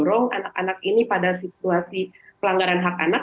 dorong anak anak ini pada situasi pelanggaran hak anak